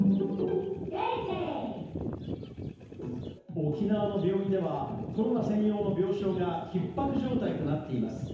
沖縄の病院ではコロナ専用の病床がひっ迫状態となっています。